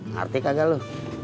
ngerti kagak lu